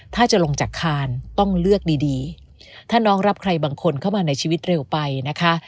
ถ้าจะลงจากคานต้องเลือกดีดีถ้าน้องรับใครบางคนเข้ามาในชีวิตเร็วไปนะคะ